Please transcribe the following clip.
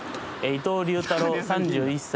伊藤隆太郎３１歳。